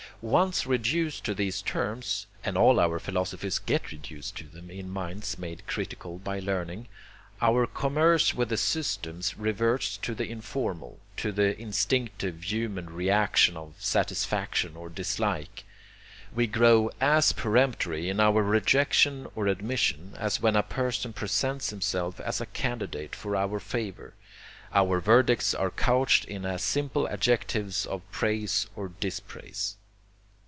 Once reduced to these terms (and all our philosophies get reduced to them in minds made critical by learning) our commerce with the systems reverts to the informal, to the instinctive human reaction of satisfaction or dislike. We grow as peremptory in our rejection or admission, as when a person presents himself as a candidate for our favor; our verdicts are couched in as simple adjectives of praise or dispraise.